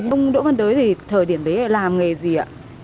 ông đỗ văn đới thì thời điểm đấy làm nghề gì ạ